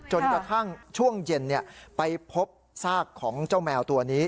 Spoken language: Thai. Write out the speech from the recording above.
จนกระทั่งช่วงเย็นไปพบซากของเจ้าแมวตัวนี้